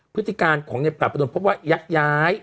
พฤติการของโดยประตุลพบว่ายักษ์ย้าย